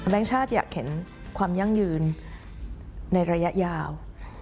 ชาติอยากเห็นความยั่งยืนในระยะยาว